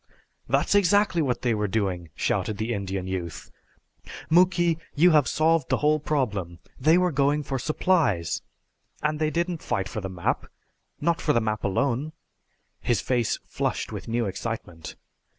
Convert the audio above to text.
"That's exactly what they were doing!" shouted the Indian youth. "Muky, you have solved the whole problem. They were going for supplies. And they didn't fight for the map not for the map alone!" His face flushed with new excitement.